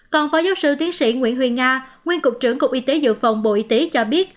còn phó giáo sư tiến sĩ nguyễn huyền nga nguyên cục trưởng cục y tế dự phòng bộ y tế cho biết